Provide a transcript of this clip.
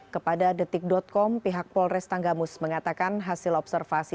kepada detik com pihak polres tanggamus mengatakan hasil observasi